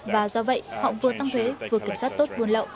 và do vậy họ vừa tăng thuế vừa kiểm soát tốt buồn lậu